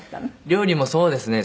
料理もそうですね。